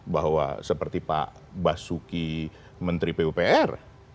bahwa seperti pak basuki menteri pupr